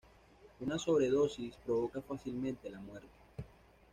Una sobredosis provoca fácilmente la muerte.